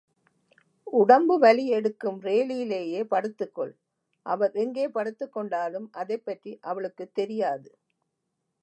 உடம்பு வலி எடுக்கும் ரேழியிலேயே படுத்துக்கொள், அவர் எங்கே படுத்துக்கொண்டாலும் அதைப்பற்றி அவளுக்குத் தெரியாது.